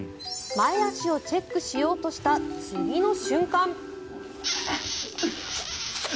前足をチェックしようとした次の瞬間。